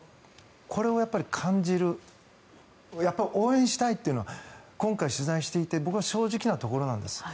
これをやっぱり感じるやっぱり応援したいというのは今回取材していて僕の正直なところなんです。